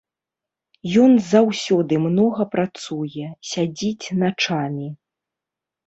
Ён заўсёды многа працуе, сядзіць начамі.